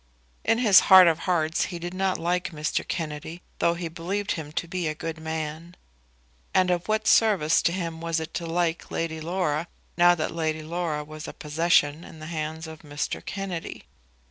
In his heart of hearts he did not like Mr. Kennedy, though he believed him to be a good man. And of what service to him was it to like Lady Laura, now that Lady Laura was a possession in the hands of Mr. Kennedy?